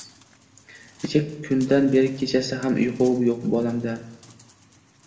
Necha kundan beri kechasi ham uyqu yo‘q bolamda